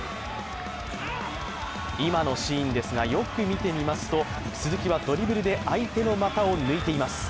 今のシーンですが、よく見てみますと鈴木はドリブルで相手の股を抜いています。